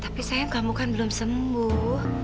tapi sayang kamu kan belum sembuh